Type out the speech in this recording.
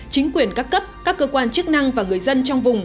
chính quyền các cấp các cơ quan chức năng và người dân trong vùng